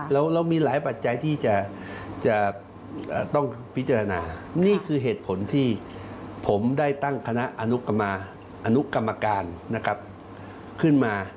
เรามีหลายปัจจัยที่จะต้องพิจารณานี่คือเหตุผลที่ผมได้ตั้งคณะอนุกรรมการนะครับขึ้นมา